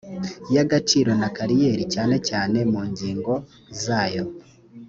y agaciro na kariyeri cyane cyane mu ngingozayo